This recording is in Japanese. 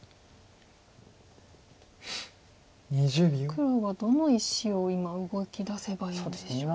黒はどの石を今動きだせばいいんでしょうか。